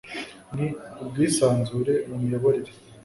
n ubwisanzure mu miyoborere